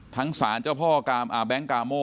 สารเจ้าพ่อแบงค์กาโม